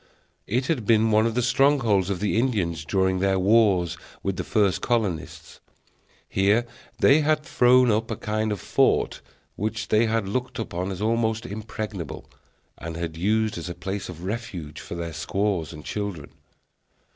It had been one of the strongholds of the Indians during their wars with the first colonists. Here they had thrown up a kind of fort, which they had looked upon as almost impregnable, and had used as a place of refuge for their squaws and children.